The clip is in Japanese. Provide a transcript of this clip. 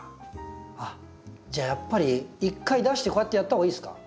あっじゃあやっぱり一回出してこうやってやった方がいいですか？